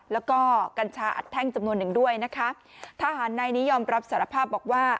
แล้วก็กัญชาอัดแท่งจำนวนหนึ่งด้วยนะคะทหารในนี้ยอมรับสารภาพบอกว่า